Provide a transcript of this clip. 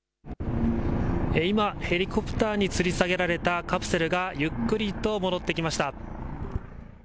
今、ヘリコプターにつり下げられたカプセルがゆっくりと戻ってきました。